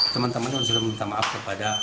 teman teman sudah meminta maaf kepada